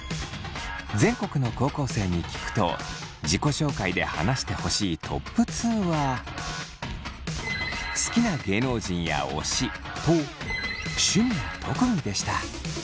全国の高校生に聞くと自己紹介で話してほしいトップ２は「好きな芸能人や推し」と「趣味や特技」でした。